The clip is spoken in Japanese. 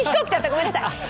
ごめんなさい。